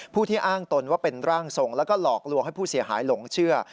ที่อ้างตนว่าเป็นร่างทรงแล้วก็หลอกลวงให้ผู้เสียหายหลงเชื่อ